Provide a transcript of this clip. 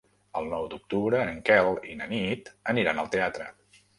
El nou d'octubre en Quel i na Nit aniran al teatre.